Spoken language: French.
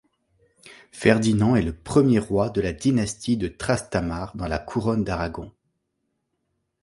Ferdinand est le premier roi de la dynastie de Trastamare dans la couronne d'Aragon.